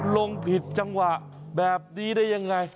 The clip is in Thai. ลงผิดจังหวะแบบนี้ได้ยังไง